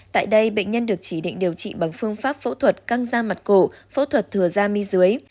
tại đây bệnh nhân được chỉ định điều trị bằng phương pháp phẫu thuật căng da mặt cổ phẫu thuật thừa da mi dưới